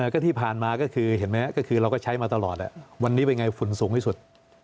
ก็ที่ผ่านมาก็คือเห็นไหมก็คือเราก็ใช้มาตลอดวันนี้เป็นไงฝุ่นสูงที่สุด